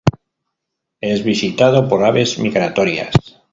Es visitado por aves migratorias.